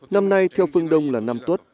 năm nay theo phương đông là năm tuốt